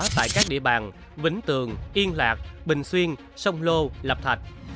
tại các địa bàn vĩnh tường yên lạc bình xuyên sông lô lập thạch